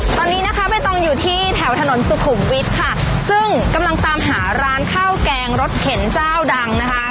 ตอนนี้นะคะใบตองอยู่ที่แถวถนนสุขุมวิทย์ค่ะซึ่งกำลังตามหาร้านข้าวแกงรสเข็นเจ้าดังนะคะ